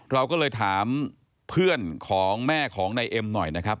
เราก็เลยถามเพื่อนของแม่ของนายเอ็มหน่อยนะครับ